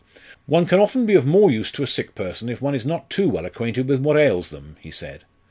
"One can often be of more use to a sick person if one is not too well acquainted with what ails them," he said.